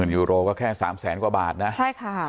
๑๐๐๐๐ยูโรก็แค่๓แสนกว่าบาทนะใช่ค่ะ